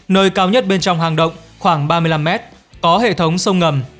nơi cao nhất bên trong hang động khoảng ba mươi năm mét có hệ thống sông ngầm